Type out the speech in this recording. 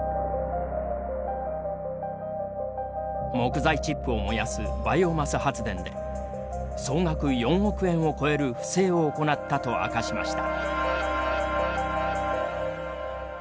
木材チップを燃やすバイオマス発電で総額４億円を超える不正を行ったと明かしました。